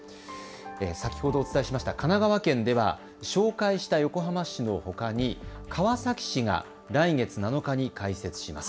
先ほどお伝えしました神奈川県では紹介した横浜市のほかに川崎市が来月７日に開設します。